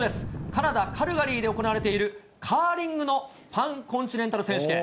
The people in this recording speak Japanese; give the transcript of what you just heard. カナダ・カルガリーで行われているカーリングのパンコンチネンタル選手権。